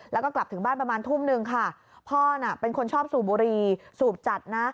แล้วก็กลับถึงบ้านประมาณทุ่มนึงค่ะพ่อน่ะเป็นคนชอบสูบบุรีสูบจัดนะ